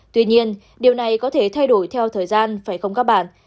tuy nhiên điều này có thể thay đổi theo thời gian phải không các bản